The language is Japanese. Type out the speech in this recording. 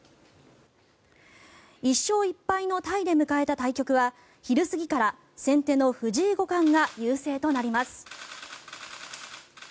１勝１敗のタイで迎えた対局は昼過ぎから先手の藤井五冠が優勢となります。